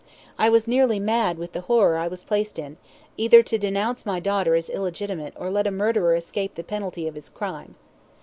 I was nearly mad with the horror I was placed in, either to denounce my daughter as illegitimate or let a murderer escape the penalty of his crime.